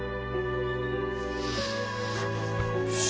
よし。